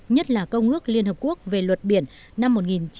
nhất là công ước liên hợp quốc về luật biển năm một nghìn chín trăm tám mươi hai